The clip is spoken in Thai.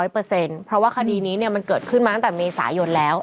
เพราะว่าคดีนี้มันเกิดขึ้นมาตั้งแต่เมษายนแล้ว